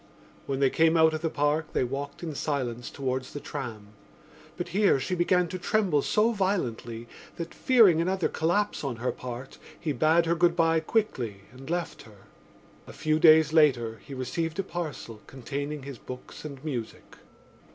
When they came out of the Park they walked in silence towards the tram; but here she began to tremble so violently that, fearing another collapse on her part, he bade her good bye quickly and left her. A few days later he received a parcel containing his books and music.